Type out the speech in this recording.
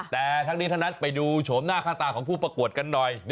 แต่ทั้งนี้ทั้งนั้นไปดูโฉมหน้าค่าตาของผู้ประกวดกันหน่อย